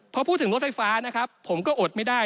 พอพูดถึงรถไฟฟ้านะครับผมก็อดไม่ได้